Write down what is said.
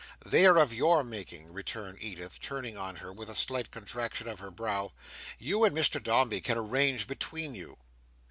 "They are of your making," returned Edith, turning on her with a slight contraction of her brow. "You and Mr Dombey can arrange between you."